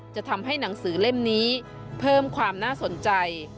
จะทำให้หนังสือเล่มนี้เพิ่มความน่าสนใจ